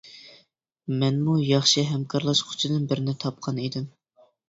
مەنمۇ ياخشى ھەمكارلاشقۇچىدىن بىرنى تاپقان ئىدىم.